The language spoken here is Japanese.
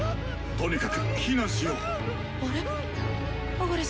とにかく避難しよう。